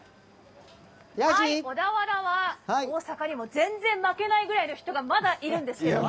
小田原は大阪より全然負けないくらいの人がまだいるんですよ。